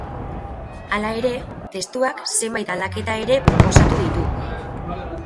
Hala ere, testuak zenbait aldaketa ere proposatu ditu.